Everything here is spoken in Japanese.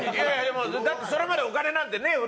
だってそれまでお金なんてねえ